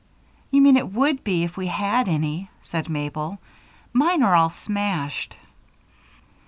"You mean it would be if we had any," said Mabel. "Mine are all smashed."